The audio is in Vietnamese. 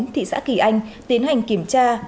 thị xã kỳ anh tiến hành kiểm tra